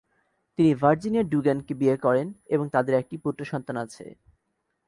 তিনি ভার্জিনিয়া ডুগ্যান-কে বিয়ে করেন এবং তাদের একটি পুত্রসন্তান আছে।